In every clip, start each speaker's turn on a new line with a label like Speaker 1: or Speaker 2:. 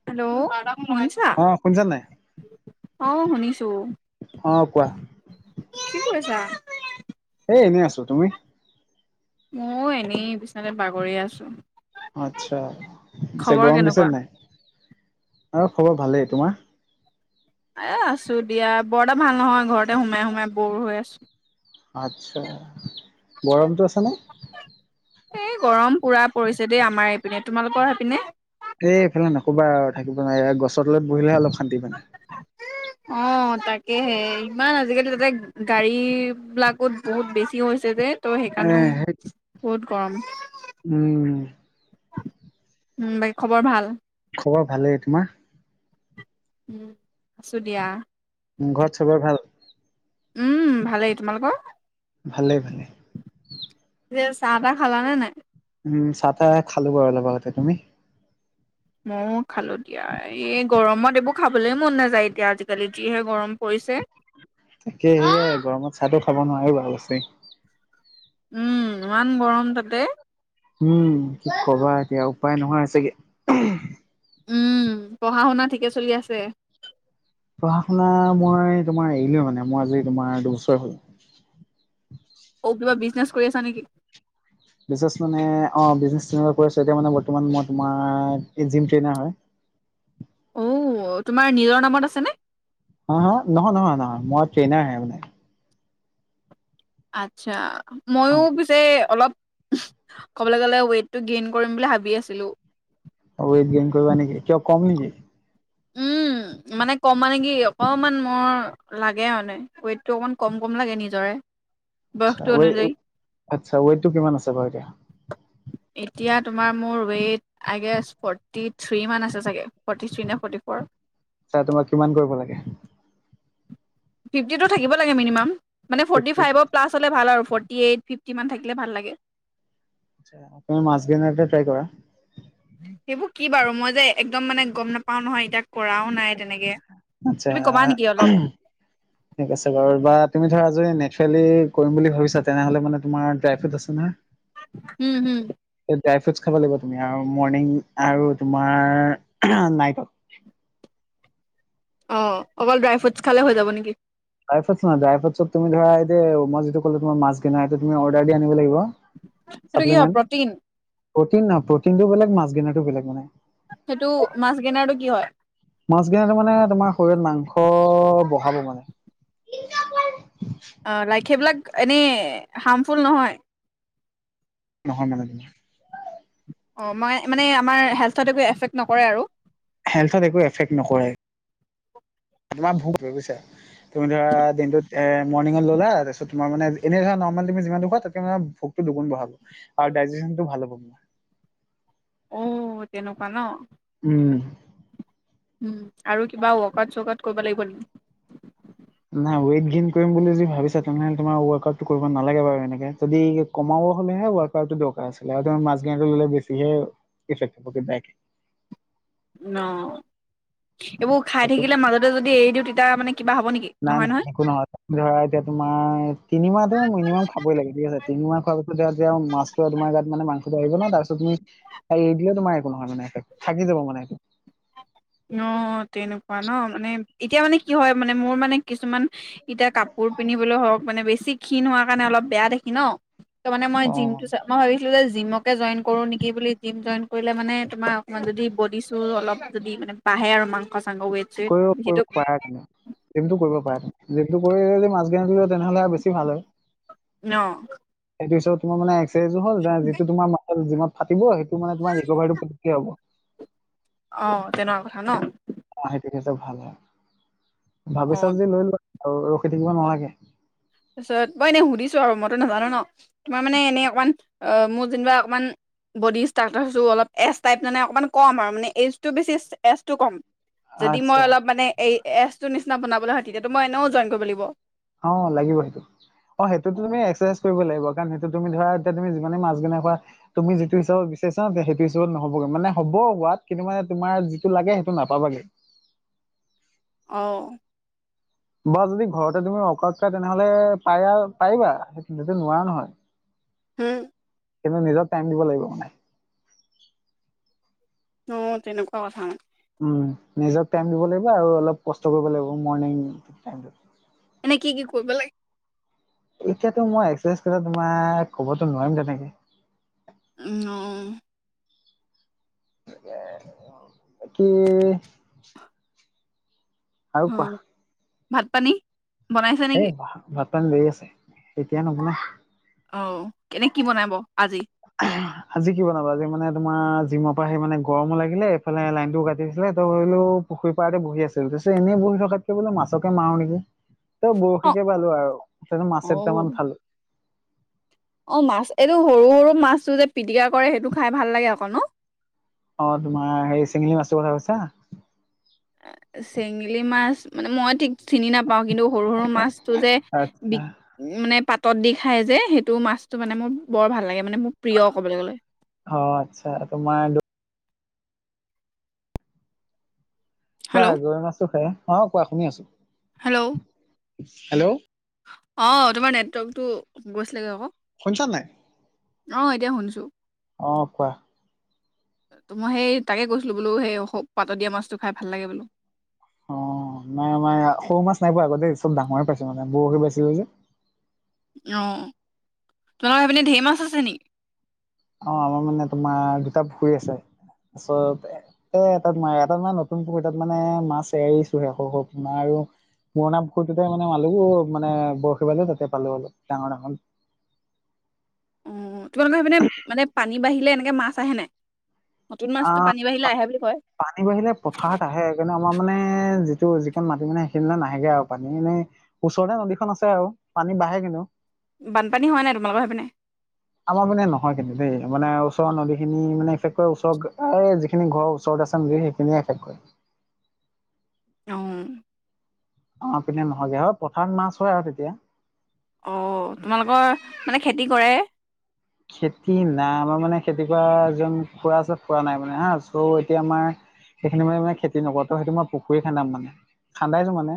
Speaker 1: হেল্'
Speaker 2: অ শুচান নাই।
Speaker 1: অ শুনিছো।
Speaker 2: অ কোৱা
Speaker 1: কি কৰিছা
Speaker 2: এ এনে আছো তুমি
Speaker 1: ময় এনেই বিছনাতে বাগৰি আছো।
Speaker 2: আচ্ছা পিছে
Speaker 1: খবৰ
Speaker 2: গৰম দিছে
Speaker 1: কেনেকুৱা
Speaker 2: নাই। আৰু খবৰ ভালেই তোমাৰ
Speaker 1: এ আছো দিয়া বৰ এটা ভাল নহয় ঘৰতে সোমাই সোমাই বৰ হৈ আছো।
Speaker 2: আচ্ছা গৰমটো আছে নে?
Speaker 1: এই গৰম পুৰা পৰিছে দেই আমাৰ এপিনে। তোমালোকৰ হেপিনে?
Speaker 2: এই এইফালে নকবা আৰু থাকিব নোৱাই। এয়া গছৰ তলত বহিলেহে অলপ শান্তি মানে।
Speaker 1: অ' তাকেহে ইমান আজিকালি তাতে গাড়ী বিলাকত বহুত বেছি হৈছে যে, ত'
Speaker 2: এ
Speaker 1: হেকাণেও
Speaker 2: সেই
Speaker 1: বহুত গৰম।
Speaker 2: উম।
Speaker 1: উম বাকী খবৰ ভাল?
Speaker 2: খবৰ ভালেই। তোমাৰ?
Speaker 1: উ আছোঁ দিয়া।
Speaker 2: উ ঘৰত চবই ভাল?
Speaker 1: উম ভালেই। তোমালোকৰ?
Speaker 2: ভালে, ভালে।
Speaker 1: ছে চাহ-তাহ খালানে নাই?
Speaker 2: উম চাহ-তাহ খালোঁ বাৰু অলপ আগতে। তুমি?
Speaker 1: ময়ো খালোঁ দিয়া। এই গৰমত এইবোৰ খাবলৈ মন নাযায় এতিয়া আজিকালি যিহে গৰম পৰি ইছে।
Speaker 2: তাকে সেয়াই গৰমত চাহটো খাব নোৱাৰি বাও সঁচায়।
Speaker 1: উম ইমান গৰম তাতে।
Speaker 2: উম কি কবা এতিয়া উপায় নোহোৱা হৈচেগে।
Speaker 1: উম পঢ়া-শুনা ঠিকে চলি আছে?
Speaker 2: পঢ়া-শুনা মই তোমাৰ এৰিলো মানে। মই আজি তোমাৰ দুবছয়ে হ'ল।
Speaker 1: অ' কিবা বিজনেচ কই আছা নে কি?
Speaker 2: বিচেচ মানে অ' বিজনেচ তেনেকুৱা কইছো। এতিয়া মানে বৰ্তমান মই তোমাৰ এ জিম ট্ৰেইনাৰ হয়। [inaudible]
Speaker 1: অ' তোমাৰ নিজৰ নামত আছেনে?
Speaker 2: হা, হা নহয়, নহয়, নহয় মই ট্ৰেইনাৰ হে মানে।
Speaker 1: আচ্ছা ময়ো পিছে অলপ ক'বলৈ গ'লে ৱেইটটো গেইন কৰিম বুলি ভাবি আছিলোঁ।
Speaker 2: ৱেট গেইন কইবা নেকি? কিয় কম নেকি?
Speaker 1: উম মানে কম মানে কি অকমান মোৰ লাগে মানে, ৱেইটটো অকমান কম কম লাগে নিজৰে।
Speaker 2: আচ্ছা
Speaker 1: বয়সটো
Speaker 2: ৱে,
Speaker 1: অনুযায়ী।
Speaker 2: আচ্ছা ৱেটটো কিমান আছে বাও এতিয়া?
Speaker 1: এতিয়া তোমাৰ মোৰ ৱেইট আইগেষ্ট ফৰ্টিথ্ৰী মান আছে চাগে। ফৰ্টি থ্ৰী নে ফৰ্টি পৰ।
Speaker 2: আচ্ছা তোমাক কিমান কৰিব লাগে?
Speaker 1: ফিফটিটো থাকিব লাগে মিনিমাম, মানে ফৰ্টি
Speaker 2: ফিফটি
Speaker 1: ফাইৱ প্লাছ হ'লে ভাল আৰু। ফৰ্টি এইট, ফিফটিমান থাকিলে ভাল লাগে।
Speaker 2: আচ্ছা তুমি মাচ গেইনকে ট্ৰাই কৰা।
Speaker 1: সেইবোৰ কি বাৰু? মই যে একদম মানে গম নাপাওঁ নহয়, এতিয়া কৰাও নাই। তেনেকে
Speaker 2: আচ্ছা
Speaker 1: তুমি কবা নেকি অলপ
Speaker 2: ঠিক আছে বাৰু বা তুমি ধৰা যদি নেছালী কৰিম বুলি ভাবিছা তেনেহ'লে মানে তোমাৰ ড্ৰাই ফ্ৰুইটচ আছে নহয়।
Speaker 1: উ, হ।
Speaker 2: ড্ৰাই ফ্ৰুইটচ খাব লাগিব তুমি আৰু মৰ্নিং আৰু তোমাৰ নাইটত
Speaker 1: অ' অকল ড্ৰাই ফ্ৰুইটচ খালে হৈ যাব নেকি?
Speaker 2: ড্ৰাই ফ্ৰুটচ নহয়, ড্ৰাই ফ্ৰুটচত তুমি ধৰা এই যে মই যিটো ক'লো তোমাৰ মাছ গেনাৰ হেটো তুমি অৰ্ডাৰ দি আনিব লাগিব।
Speaker 1: সেইটো কি হয়
Speaker 2: চাপ্লিমেণ্ট
Speaker 1: প্ৰ'টিন?
Speaker 2: প্ৰ'টিন নহয় প্ৰ'টিনটো বেলেগ মাছ গেইনাৰটো বেলেগ মানে।
Speaker 1: সেটো মাছ গেইনাৰটো কি হয়?
Speaker 2: মাছ গেইনাৰটো মানে তোমাৰ শৰীৰত মাংস বহাব মানে।
Speaker 1: অ' লাইক সেইবিলাক এনেই হাৰ্মফুল নহয়?
Speaker 2: নহয় [unintelligible]
Speaker 1: অ, মই মানে আমাৰ হেল্থত একো এফেক্ট নকৰে আৰু।
Speaker 2: হেল্থত একো এফেক্ট নকৰে আমাৰ ভোক বা তুমি ধৰা দিনটোত এ মৰ্ণিঙত ল'লা তাৰপিছত তোমাৰ মানে এনে ধৰা নৰ্ম তুমি যিমান দুখোৱা তাতে মে ভোকটো দুগুণ বঢ়াব আৰু ডাইজিনটো ভাল হব।
Speaker 1: অ, তেনেকুৱা ন।
Speaker 2: উম,
Speaker 1: উম, আৰু কিবা ৱক আট চকট কৰিব লাগিব নেকি।
Speaker 2: নাই ৱেইট গেইন কৰিম বুলি যদি ভাবিছা তেনেহলে তোমাৰ ৱৰ্কআউটটো কৰিব নালাগে বাৰু এনেকে য কমও হলেহে ৱৰ্কআউট টো দৰকাৰ আছিলে আৰু মাছলে বেছি ইফেক্ট পৰিব বেয়াকে। [inaudible]
Speaker 1: ন এইবোৰ খাই থাকিলে মাজতে যদি এৰি দিওঁ তেতিয়া মানে। কিবা হ'ব নেকি
Speaker 2: নাই -
Speaker 1: নহয়
Speaker 2: নাই এনেো নহয় ধৰা এতিয়া তোমাৰ তিনিমাহটো মিনিমাম খাবই লাগে ঠিক আছে তিনিমাহ খোৱাৰ পিছত। এতি মাছটো তমাৰ গাত মানে মাংসটো আহিব ন তাৰিছত তুমি ত এই দিলও তো মাৰ একো নহ হয় মান থাকি দিব মানে।
Speaker 1: অ, তেনেকুৱা ন মানে এতিয়া মানে কি হয় মানে মোৰ মানে কিছুমান এতিয়া কাপোৰ পিন্ধিবলৈ হওক মানে বেছি ক্ষীণ হোৱাৰ কাৰণে অলপ বেয়া দোকি ন ত মানে মই
Speaker 2: অ
Speaker 1: জিমটো মই ভাবিছিলো যে জিমকে জইন কৰো নেকি বুলি জিম জইন কৰিলে মানে তোমাৰ অকমান যদি বডি চু অলপ যদি মান বাঢ়ে আৰু মাংস
Speaker 2: কৰিব কৰিব প তেন এইমটো কৰিব প তেন যিটো কৰিদি মাছ গিলে তেনেহলে আৰু বেছি ভাল হয়
Speaker 1: ন
Speaker 2: সেইটো পিছত তোমাৰ মান একসাৰচজ হ'ল যিটো তোাৰ মাছ জিমত ফাটিব সেইটো মে তমাৰ ৰিভাৰটোকিয় হ'ব।
Speaker 1: অ, তেনেকুৱা কথা ন।
Speaker 2: অ, সেইটো কিন্তু ভাল হয় ভাবিছা
Speaker 1: অ',
Speaker 2: যি লৈ লোৱা। আৰু ৰখি থাকিব নালাগে।
Speaker 1: তাৰপিছত মই এনেই সুধিছো আৰু মইতো নাজানো ন তোমাৰ মানে এনে অকণমান অ, মোৰ যেনিবা অকণমান বডি ষ্ট্ৰাকচাৰটো অলপ এজ টাইপ মানে অকণমান কম আৰু মানে এইজটো বেছি এজটো কম। যদি
Speaker 2: আচ্ছা
Speaker 1: মই অলপ মানে এই এছ ৰ নিচিনা বনাবলৈ হাতি তে মই এনেও জইন কৰিব লাগিব।
Speaker 2: অ, লাগিব সেইটো অ সেইটোতো তুমি এক্সাৰচাইজ কৰিব লাগিব। কাৰণ সেইটো তুমি ধৰা এতিয়া তুমি যিমানে মাছ গনে খ তুমি যিটো হিচাপ বিচাৰিছ ন সেইটোিচাপত নহবে মানে হ'ব হোৱাত কিন্তু মানে তোমাৰ যিটো লাগে সেইটো নাপাবাগে।
Speaker 1: অহ ',
Speaker 2: বা যদি ঘৰতে তুমি অকত খাই তেনেহলে পাৰা পাৰিবা তেটো নোৱাৰা নহয়।
Speaker 1: হম।
Speaker 2: কিন্তু নিজক টাইম দিব লাগিব মানে।
Speaker 1: অ, তেনেকুৱা কথা মানে।
Speaker 2: নিজ টাইম দিব লাগিব আৰু অলপ কষ্ট কৰিব লাগিব মৰ্নিং
Speaker 1: ন কি- কি কৰিব লাগে।
Speaker 2: এতিয়াতো মই এক্সাৰচাইজ কেইটা তোমাৰ কবতো নোৱাৰিম তেনেকে।
Speaker 1: উম
Speaker 2: বাকি? আৰু
Speaker 1: অ
Speaker 2: কোৱা?
Speaker 1: ভাত পানী বনাইছে
Speaker 2: এ
Speaker 1: নেকি?
Speaker 2: বাহ ভাত পানী দেৰি আছে এতিয়া নবনা
Speaker 1: অ এনে কি বনাব আজি?
Speaker 2: আজি কি বনাবা আজ মানে তোমাৰ জিমৰ পৰা সি মানে গৰম লাগিলে এইফালে লাইন ও কাটি দিছিলে তই ত' পুখুৰী পাৰতে বহি আছিল পিছত এনেই বহি থকাতে বোলে মাছকে মাৰো নেকি। ত
Speaker 1: অ
Speaker 2: 'বৰশীকে পালো আৰু ত
Speaker 1: অ
Speaker 2: মাছেটামান পালো।
Speaker 1: অ, মাছ এইটো সৰু - সৰু মাছটো যে পিটিকা কৰে সেইটো খাই ভাল লাগে অক ন।
Speaker 2: অ, তোমাৰ হেই চিঙলি মাছৰ কথা কৈছা।
Speaker 1: চেঙেলী মাছ মানে মই ঠিক চিনি নাপাওঁ কিন্তু সৰু সৰু মাছতটো যে বি
Speaker 2: আচ্ছা,
Speaker 1: মানে পাত তত দি খায় যে সেইটো মাছটো মানে মোৰ বৰ ভাল লাগে। মানে মোৰ প্ৰিয় ক'বলৈ গ'লে।
Speaker 2: অ' আচ্ছা তোমাৰ হয়
Speaker 1: হেল্ল'
Speaker 2: গৰু মাছো খে অ', কোৱা শুনি আছো।
Speaker 1: হেল্ল'।
Speaker 2: হেল্ল'।
Speaker 1: অ', তোমাৰ নেটৱৰ্ক টো গৈছিল লাগে আকৌ।
Speaker 2: শুনিছা নাই?
Speaker 1: অ', এতিয়া শুনছো।
Speaker 2: অ', কোৱা।
Speaker 1: ত' মই সেই তাকে কৈছিলো বোলো সেই পাতত দিয়া মাছটো খাই ভাল লাগে বোলো।
Speaker 2: অ'। নাই আমাৰ সৰু মাছ নাই পোৱা আগতে চব ডাঙৰে পাইছে মানে বৰশী পাইছে যে।
Speaker 1: অ', তোমালোকৰ এইপিনে ঢেৰ মাছ আছে নেকি?
Speaker 2: অ', আমাৰ মানে তোমাৰ দুটা পুখুৰী আছে। তাৰপিছত এ, তাত মাতা মানে নতুন পুখুৰী তাত মানে মাছ এৰিছোহে শৰু শৰু পাৰ আৰু মুৰণাখুৰটোতে মানে মালুহো মানে বৰশী বালে তাতে পালো অলপ ডাঙৰ ডাঙৰ [inaudible]
Speaker 1: তোমালোকৰ সেপিনে মানে পানী বাঢ়িলে এনেকে মাছ আহে নাই? নতুন মাছটো পানী বাঢ়িলে
Speaker 2: অ',
Speaker 1: আহে বুলি কয়
Speaker 2: পানী বাঢ়িলে পথাৰত আহে সেইকাৰণে আমাৰ মানে যিটো যিখন মাটি মানে সেইখিনে নাহেগে আৰু পানী এনেে ওচৰতে নদীখন আছে আৰু। পানী বাঢ়ে কিন্তু।
Speaker 1: বানপানী হোৱা নাই তোমালোকৰ সেইপিনে?
Speaker 2: আমাৰ মানে নহয় কিন্তু দেই মানে ওচৰৰ নদী খিনি মানে বিশেষক ওচৰ এই যিখিনি ঘৰৰ ওচৰতে বুলি সেইখিনিয়ে একেষকৈ
Speaker 1: অ'।
Speaker 2: অ', পিনে নহয়গে হয় পথাৰ মাছ হয় আৰু তেতিয়া।
Speaker 1: অ', তোমালোকৰ মানে খেতি কৰে?
Speaker 2: খেতি নাই আমাৰ মানে খেতি কৰা এজন খুৰা আছে খুৰা নাই মানে হা চ' এতিয়া আমাৰ সেইখিনি মানে মে খেতি নকৰো তো সেইটো মই পুখুৰী খান্দাম মানে খান্দাইছো মানে।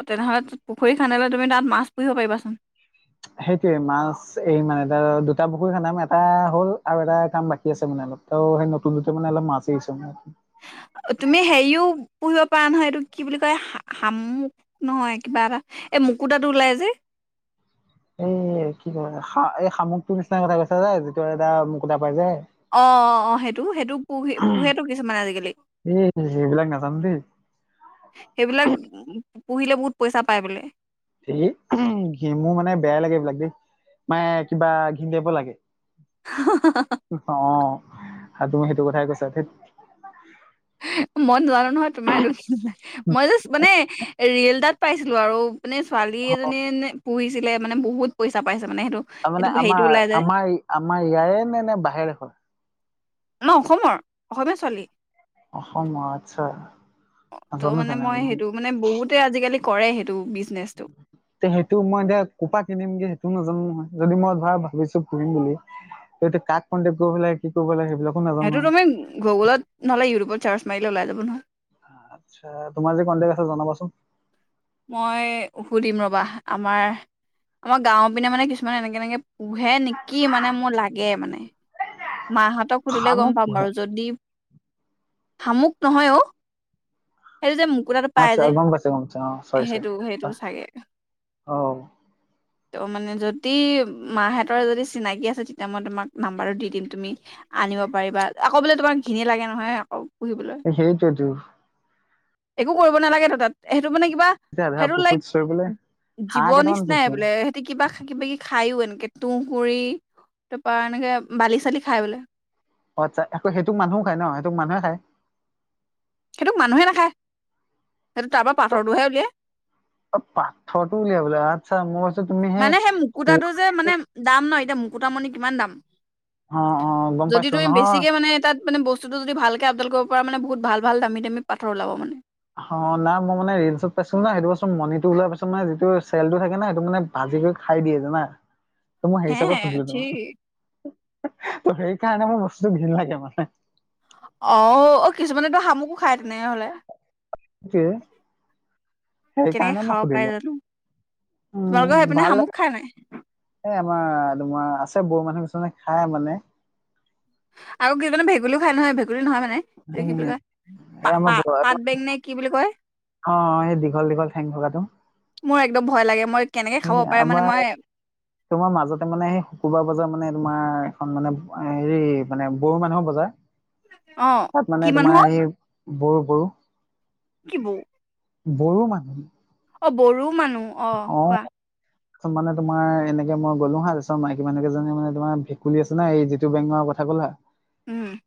Speaker 1: অ', তেনেহ'লে পুখুৰী খান্দে তুমি তাত মাছ পুহিব পাৰিবাচোন।
Speaker 2: সেইটোয়ে মাছ এই মানে এ দুটা পুখুৰী খান্দাম এটা হ'ল আৰু এটা কাম বাকী আছে মানে। অলপ সেই নতুনতে মানে অলপ মাছ আহিছে ম
Speaker 1: তুমি হেৰিও পুহিব পৰা নহয় এইটো কি বুলি কয় শামুক নহয় কিবা এটা এ মুুকুতাতো ওলাই যে।
Speaker 2: [inaudible] এই কি কয়া এই শামুকটোৰ নিচিনা কথা কৈছা যে যিটো এটা মুকুটা পাই যে।
Speaker 1: অ', অ', অ', সেইটো, সেইটো পুহি পোহেতেতটো কিছুমান আজিকালি।
Speaker 2: এই সেইবিলাক নাজানো দেই
Speaker 1: সেইবিলাক পুহিলে বহুত পইচা পায় বোলে।
Speaker 2: সেঘি মোৰ মানে বেয়াই লাগে এইবিলাক দেই মানে কিবা ঘি দিব লাগে। অ', আৰু তুমি সেইটো কথাই কৈছা ত
Speaker 1: মই নানো নহয় তোমাৰ এইটো মই জাষ্ট মানে ৰিয়েল তাত পাইছিলো আৰু মানে ছোৱালী এজনীয়ে নে পুহিছিলে মানে বহুত পইচা পাইছিল।
Speaker 2: তাৰ মানে আমাৰ আমাৰ আমাৰ ইয়াৰে নে নে বাহিৰৰে হ'ল?
Speaker 1: ন' অসমৰ অসমীয়া ছোৱালী?
Speaker 2: অসমৰ আচ্ছা
Speaker 1: অ', ত
Speaker 2: নাজানো
Speaker 1: মানে মই
Speaker 2: তেনেহলে দেই
Speaker 1: সেইটো মানে বহুতে আজিকালি কৰে সেইটো বি
Speaker 2: তে সেইটো মই এতিয়া কোপা কিনিমগে ত' নাজানো নহয় যদি মই ভাৰ ভাবিছো পঢ়িম বুলি তেতিয়া কাক কণ্টেক্ট কৰিব লাগে কি কৰিব লাগিব।
Speaker 1: সেইটো তুমি গুগলত নহ'লে ইউটিউবত চাৰ্চ মাৰিলে ওলাই যাব নহয়।
Speaker 2: আচ্ছা, তোমাৰ যে কনটেক্ট আছে জনাবাচোন।
Speaker 1: মই সুধিম ৰবা আমাৰ আমাৰ গাঁওৰ পিনে মানে কিছুমান এনেকে এনেকে পোহে নেকি মানে মোৰ লাগে মানে। মাহঁতক সুধিলে গম
Speaker 2: শামুক
Speaker 1: পাম
Speaker 2: পোহে
Speaker 1: বাৰু যদি, শামুক নহয় অ। সেইটো যে মুকুুতাটো পাই
Speaker 2: আচ্ছা
Speaker 1: যে
Speaker 2: গম পাইছো গম পাইছো অ চৰি চৰি
Speaker 1: সেইটো, সেইটো চাগে।
Speaker 2: অ
Speaker 1: ত'মানে যদি মাহঁতৰ যদি চিনাকি আছে তেতিয়া মই তোমাক নাম্বাৰটো দি দিম তুমি আনিব পাৰিবা, আকৌ বোলে তোমাক ঘিনে লাগে নহয় আকৌ। পুহিবলৈ
Speaker 2: এ সেইটোৱেটো।
Speaker 1: একো কৰিব নালাগেটো তাত সেইটো মানে কিবা
Speaker 2: এতিয়া আধা
Speaker 1: সেইটো লাইক
Speaker 2: পুখুৰীত চৰিবলে হাঁহ
Speaker 1: জীৱ
Speaker 2: কেইটামান
Speaker 1: নিচিনাই
Speaker 2: পুহিছো মানে
Speaker 1: বোলে সিহঁতি কিবা কিবি খাইও এনেকে তুঁহ গুৰি তাৰপা এনেকে বালি চালি খাই বোলে।
Speaker 2: অ'আচ্ছা, এহেতো সেইটোক মানুহো খায় ন সেইটোক মানুহে খায়।
Speaker 1: সেইটোক মানুহে নাখায়, সেইটো তাৰ পৰা পাথৰ টোহে উলিয়াই।
Speaker 2: অ' পাথৰটো উলিয়াবলৈ আচ্ছা মোৰ
Speaker 1: মানে সেই মুকুতাটো যে মানে দাম ন এতিয়া মুকুতা মণি কিমান দাম।
Speaker 2: অ অ গম
Speaker 1: যদি
Speaker 2: পাইছো
Speaker 1: তুমি
Speaker 2: নহয়
Speaker 1: বেছিকে মানে তাত মানে বস্তু বস্তুটো যদি ভালকে আপদাল কৰিব পৰা মানে বহুত ভাল ভাল দামী দামী পাথৰ ওলাব মানে।
Speaker 2: অ, নাই মই মানে ৰিলচত পাইছিলো না সেইটো বস্তু মণিটো ওলিওৱা পাছত মানে যিটো চেলটো থাকে না সেইটো মানে ভাল। নিজে খাই দিয়ে জানা। তো' মই হেই
Speaker 1: হে
Speaker 2: হিচাপত সুধিলো তোমাক,
Speaker 1: ঠিক
Speaker 2: তো'সেইকাৰণে মোৰ বস্তু ঘিণ লাগে মানে।
Speaker 1: অও, অ'কিছুমানতো শামুকো খায় তেনেকেহ'লে।
Speaker 2: সেই, সেই
Speaker 1: কেনেকে
Speaker 2: কাৰণে মই
Speaker 1: খাব পাৰে
Speaker 2: সুধিলো।
Speaker 1: জানো তোমালোকৰ
Speaker 2: উম
Speaker 1: সেইপিনে
Speaker 2: ভাল
Speaker 1: শামুক
Speaker 2: লাগে,
Speaker 1: খাই নাই
Speaker 2: এ আমাৰ তোমাৰ আছে। বড়ো মানুহ কিছুমানে খাই মানে।
Speaker 1: আৰু কিছুমানে ভেকুলীও খাই নহয় ভেকুলী ভেকুলি নহয় মানে, এই কি বুলি কয়
Speaker 2: এই
Speaker 1: পা
Speaker 2: আমাৰ
Speaker 1: পা
Speaker 2: বড়ো
Speaker 1: পাট বেং নে কি বুলি কয়।
Speaker 2: অ', সেই দীঘল দীঘল ঠেং থকাটো।
Speaker 1: মোৰ একদম ভয় লাগে মই কেনেকে খাব
Speaker 2: সেই
Speaker 1: পাৰে মানে
Speaker 2: আমাৰ,
Speaker 1: মই
Speaker 2: তোমাৰ মাজতে মানে সেই শুকুৰবাৰ বজাৰ মানে তোমাৰ এখন মানে হেৰি মানে বড়ো মানুহৰ বজাৰ,
Speaker 1: অ
Speaker 2: তাত
Speaker 1: কি
Speaker 2: মানে
Speaker 1: মানুহ অ
Speaker 2: তোমাৰ এই বড়ো বড়ো।
Speaker 1: কি বড়ো।
Speaker 2: বড়ো মানুহ।
Speaker 1: অ, বড়ো মানুহ। অ' কোৱা।
Speaker 2: চোন মানে তোমাৰ এনেকে মই গলো হা, তাৰপিছত মাইকী মানুহকেইজনীমানে তোমাৰ ভেকুলী আছে ন এই যিটো বেঙৰ কথা ক'লা।
Speaker 1: উম।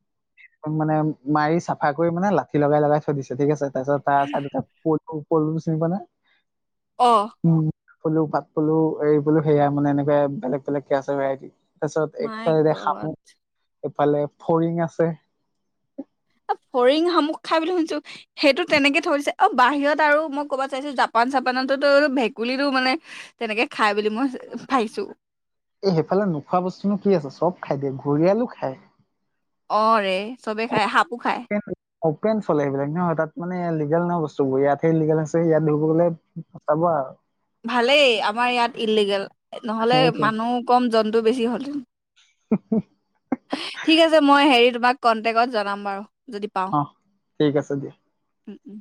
Speaker 2: মানে মাৰি চাফা কৰি মানে লাঠি লগাই লগাই থৈ দিছে ঠিক আছে, তাৰপিছত তাৰ চাইডতে [unintelligible]
Speaker 1: অ'।
Speaker 2: উম পলু, পাত পলু এই বোলো সেয়া মানে এনেকে বেলেগ বেলেগ কে আছে ভেৰাইটিছ। তাৰপিছত
Speaker 1: মাই
Speaker 2: একফালে
Speaker 1: গড
Speaker 2: খামুক, এইফালে ফৰিং আছে।
Speaker 1: অ'ফৰিং, শামুক খাই বুলি শুনিছো সেইটো তেনেকে থৈ দিছে। অ' বাহিৰত আৰু মই কবাত চাইছো জাপান চাপানতো ভেকুলীটো মানে তেনেকে খাই বুলি মই পাইছো।
Speaker 2: এই সেইফালে নোখোৱা বস্তুনো কি আছে, চব খাই দিয়ে, ঘৰিয়ালো খায়।
Speaker 1: অ' ৰে। চবে খাই সাপো খাই
Speaker 2: অপেন চলে সেইবিলাক নহয় তাত মানে লিগেল নহয় বস্তুবোৰ ইয়াতহে ইলিগেল আছে ইয়াত ধৰিব গ'লে ফচাব আৰু।
Speaker 1: ভালেই আমাৰ ইয়াত ইলিগেল, নহ'লে মানুহ কম জন্তু বেছি হলহেঁতেন।
Speaker 2: অ [unintelligible]
Speaker 1: ঠিক আছে মই হেৰি তোমাক কন্টেকত জনাম বাৰু। যদি পাওঁ
Speaker 2: অ' ঠিক আছে দিয়া।
Speaker 1: উম, উম।